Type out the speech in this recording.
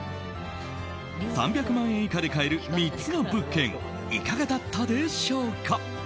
３００万円以下で買える３つの物件いかがだったでしょうか？